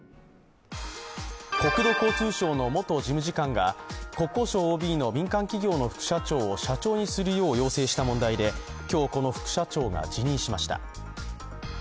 国土交通省の元事務次官が国交省ＯＢの民間企業の副社長を社長にするよう要請した問題で今日、この副社長が辞任しました。